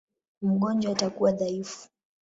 Mgonjwa atakuwa dhaifu.